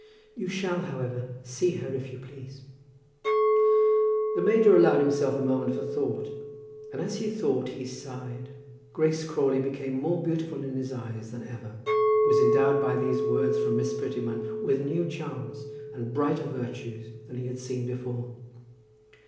You shall, however, see her if you please." The major allowed himself a moment for thought; and as he thought he sighed. Grace Crawley became more beautiful in his eyes than ever, was endowed by these words from Miss Prettyman with new charms and brighter virtues than he had seen before.